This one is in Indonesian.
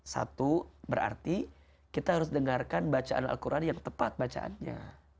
satu berarti kita harus dengarkan bacaan al quran yang tepat bacaannya